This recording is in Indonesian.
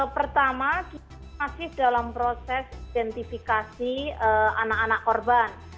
pertama kita masih dalam proses identifikasi anak anak korban